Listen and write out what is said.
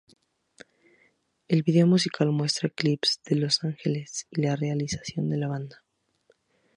El video musical muestra clips de Los Ángeles y la realización de la banda.